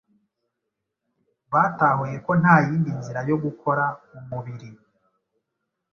batahuye ko nta yindi nzira yo gukora umubiri